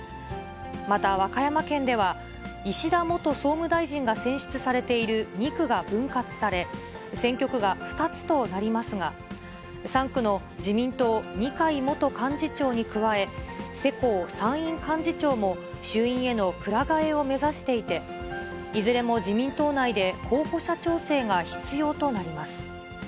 また和歌山県では、石田元総務大臣が選出されている２区が分割され、選挙区が２つとなりますが、３区の自民党、二階元幹事長に加え、世耕参院幹事長も衆院へのくら替えを目指していて、いずれも自民党内で候補者調整が必要となります。